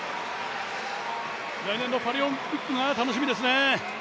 来年のパリオリンピックが楽しみですね。